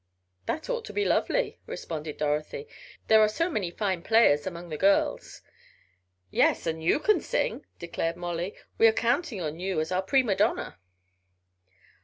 "That ought to be lovely," responded Dorothy. "There are so many fine players among the girls." "Yes, and you can sing," declared Molly. "We are counting on you for our prima donna."